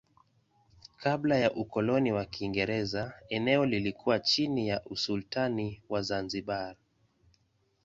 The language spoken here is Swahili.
Kabla ya ukoloni wa Kiingereza eneo lilikuwa chini ya usultani wa Zanzibar.